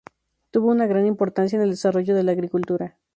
Tuvo una gran importancia en el desarrollo de la agricultura.